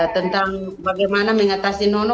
tentang bagaimana mengatasi nono